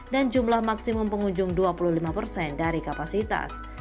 dan jumlah maksimum pengunjung dua puluh lima persen dari kapasitas